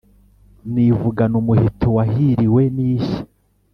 Nivugana umuheto wahiriwe n'ishya,